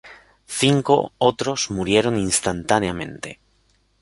Cinco otros murieron instantáneamente.